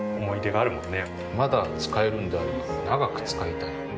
まだ使えるんであれば長く使いたい。